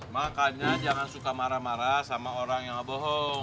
makanya jangan suka marah marah sama orang yang nggak bohong